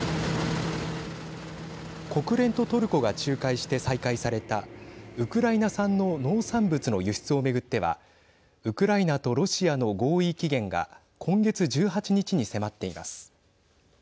国連とトルコが仲介して再開されたウクライナ産の農産物の輸出を巡ってはウクライナとロシアの合意期限が今月１８日に迫っています。